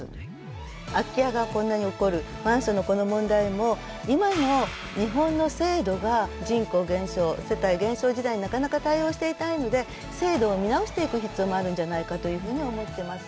空き家がこんなに起こるマンションのこの問題も今の日本の制度が人口減少世帯減少自体になかなか対応していないので制度を見直していく必要もあるんじゃないかというふうに思ってます。